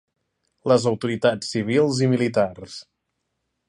Les autoritats civils i militars.